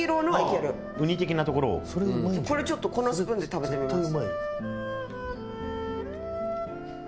これちょっとこのスプーンで食べてみます。